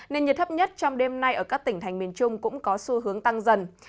nên nhiệt thấp nhất trong đêm nay ở các tỉnh thành miền trung cũng có xu hướng tăng dần